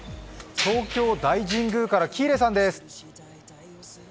東京大神宮から喜入さんです。